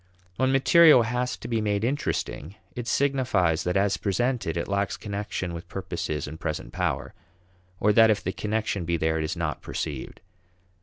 When material has to be made interesting, it signifies that as presented, it lacks connection with purposes and present power: or that if the connection be there, it is not perceived.